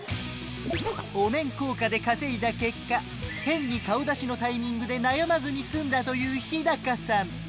お面効果で稼いだ結果変に顔出しのタイミングで悩まずに済んだというヒダカさん